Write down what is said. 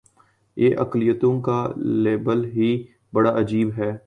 یہ اقلیتوں کا لیبل ہی بڑا عجیب ہے۔